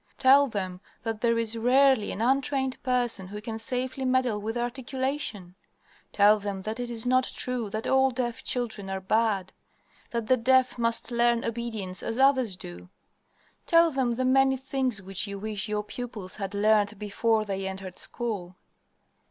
"Tell them that there is rarely an untrained person who can safely meddle with articulation. "Tell them that it is not true that all deaf children are bad; that the deaf must learn obedience as others do. "Tell them the many things which you wish your pupils had learned before they entered school.